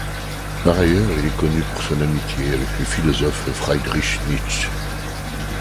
Par ailleurs, il est connu pour son amitié avec le philosophe Friedrich Nietzsche.